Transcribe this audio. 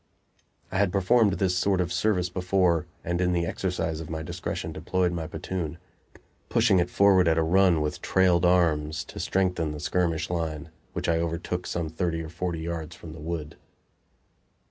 I had performed this sort of service before, and in the exercise of my discretion deployed my platoon, pushing it forward at a run, with trailed arms, to strengthen the skirmish line, which I overtook some thirty or forty yards from the wood.